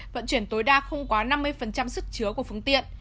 vận chuyển tối đa không quá năm mươi sức chứa của phương tiện